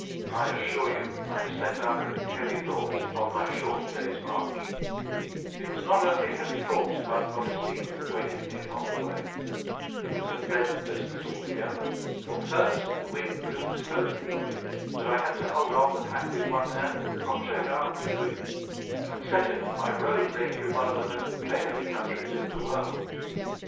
I assure you I set out with heavy thoughts upon my short day's march. It was not only heavy thoughts about Modestine that weighted me upon the way; it was a leaden business altogether. For first, the wind blew so rudely that I had to hold on the pack with one hand from Cheylard to Luc; and second, my road lay through one of the most beggarly countries in the world.